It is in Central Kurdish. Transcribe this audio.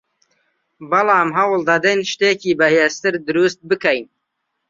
بەڵام هەوڵدەدەین شتێکی بەهێزتر دروست بکەین